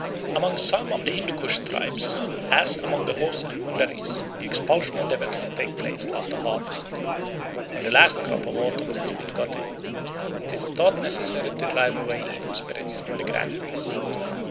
Amongst some of the Hindoo Koosh tribes, as among the Hos and Mundaris, the expulsion of devils takes place after harvest. When the last crop of autumn has been got in, it is thought necessary to drive away evil spirits from the granaries.